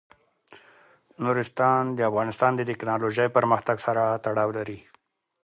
نورستان د افغانستان د تکنالوژۍ پرمختګ سره تړاو لري.